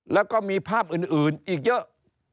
แล้วก็มีภาพอื่นอีกเยอะ